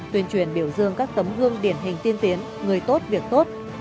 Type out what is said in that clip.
tuyên truyền biểu dương các tấm gương điển hình tiên tiến người tốt việc tốt